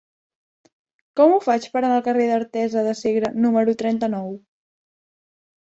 Com ho faig per anar al carrer d'Artesa de Segre número trenta-nou?